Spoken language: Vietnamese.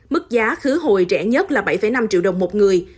mức giá khứ hồi trẻ nhất là bảy năm triệu đồng một người